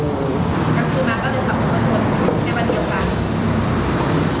กลางคืนมาก็เลยครับคุณผู้ชมในวันเดียวกัน